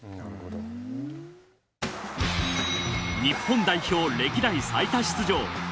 日本代表歴代最多出場。